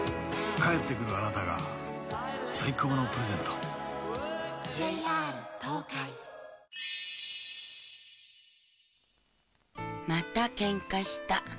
「帰ってくるあなたが最高のプレゼント」「また喧嘩した」